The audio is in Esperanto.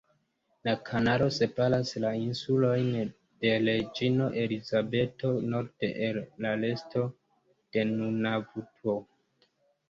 La kanalo separas la Insulojn de Reĝino Elizabeto norde el la resto de Nunavuto.